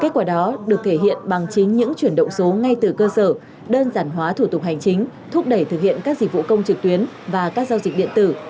kết quả đó được thể hiện bằng chính những chuyển động số ngay từ cơ sở đơn giản hóa thủ tục hành chính thúc đẩy thực hiện các dịch vụ công trực tuyến và các giao dịch điện tử